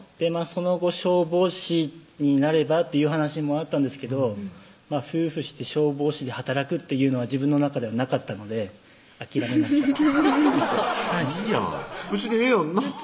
その後「消防士になれば？」っていう話もあったんですけど夫婦して消防士で働くっていうのは自分の中ではなかったので諦めましたなかった？